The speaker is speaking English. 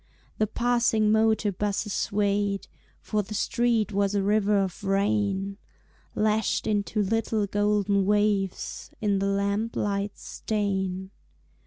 The passing motor busses swayed, For the street was a river of rain, Lashed into little golden waves In the lamp light's stain.